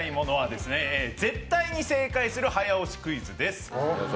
僕、オススメの飽きないものは絶対に正解する早押しクイズです。